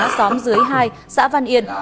xóm dưới hai xã văn yên